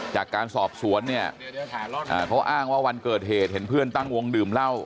จากการสอบสวนเนี่ยเขาอ้างว่าวันเกิดเหตุเห็นเพื่อนตั้งวงดื่มเหล้า